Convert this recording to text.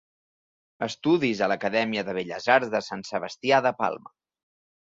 Estudis a l'acadèmia de Belles Arts de Sant Sebastià de Palma.